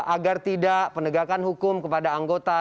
agar tidak penegakan hukum kepada anggota